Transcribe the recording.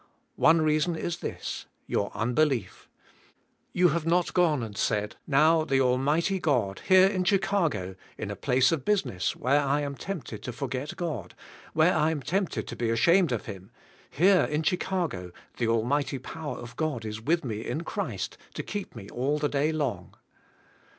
One reason is this: Your unbelief. You have not g one and said, "Now the Almig hty God, here in Chicag o, in a place of business, where I am tempted to f org et God, where I am tempted to be ashamed of Him, here in Chicag o the almig hty power of God is with me in Christ, to keep me all the day long."